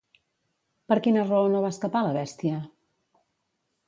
Per quina raó no va escapar la bèstia?